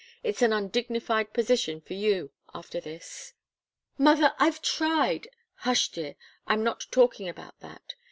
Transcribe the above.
It's an undignified position for you, after this." "Mother I've tried " "Hush, dear! I'm not talking about that.